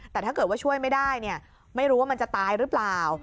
แต่ถ้าเกิดว่าช่วยไม่ได้ไม่รู้ว่ามันจะตายหรือเปล่า